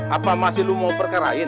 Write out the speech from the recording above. apa masih lo mau perkarain